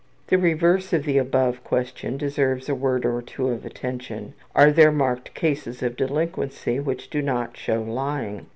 The reverse of the above question deserves a word or two of attention; are there marked cases of delinquency which do not show lying?